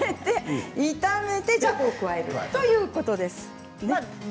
炒めて、じゃこを加えるということです。